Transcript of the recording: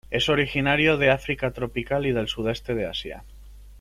Es originario de África tropical y del Sudeste de Asia.